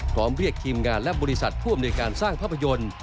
พร้อมเรียกทีมงานและบริษัทผู้อำนวยการสร้างภาพยนตร์